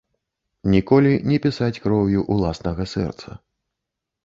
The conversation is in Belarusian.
Ніколі не пісаць кроўю ўласнага сэрца.